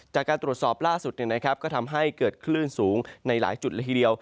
จากการตรวจสอบล่าสุดก็ทำให้เกิดคลื่นสูงในหลายจุดละทีเดียว